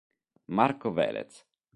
Marco Vélez